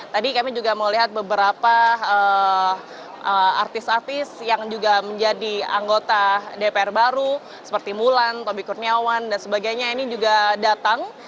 tadi kami juga melihat beberapa artis artis yang juga menjadi anggota dpr baru seperti mulan tobi kurniawan dan sebagainya ini juga datang